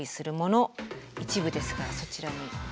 一部ですがそちらに。